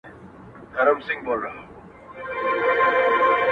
راسه چي زړه مي په لاسو کي درکړم’